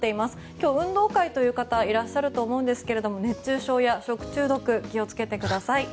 今日、運動会という方いらっしゃると思いますが熱中症や食中毒に気を付けてください。